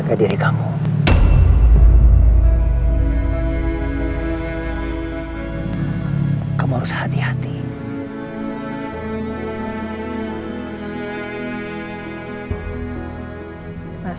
kan ada al ma